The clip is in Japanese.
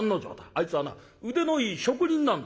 あいつはな腕のいい職人なんだぞ。